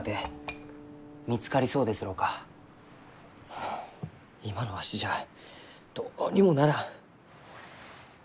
はあ今のわしじゃどうにもならん。